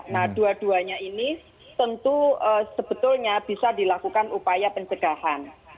nah dua duanya ini tentu sebetulnya bisa dilakukan upaya pencegahan